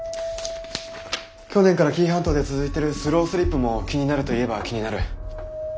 去年から紀伊半島で続いてるスロースリップも気になると言えば気になる。